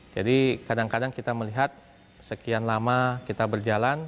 jadi kadang kadang kita melihat sekian lama kita berjalan